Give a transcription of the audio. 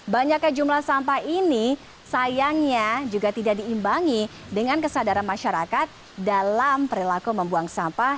banyaknya jumlah sampah ini sayangnya juga tidak diimbangi dengan kesadaran masyarakat dalam perilaku membuang sampah